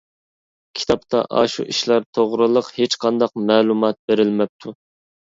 كىتابتا ئاشۇ ئىشلار توغرىلىق ھېچقانداق مەلۇمات بېرىلمەپتۇ.